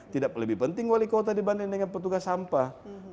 tidak lebih penting wali kota dibanding dengan petugas sampah